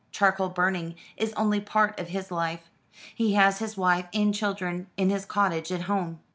"Charcoal burning is only part of his life. He has his wife and children in his cottage at home."